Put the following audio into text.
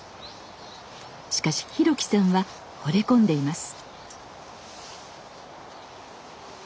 しかし博樹さんはほれ込んでいます。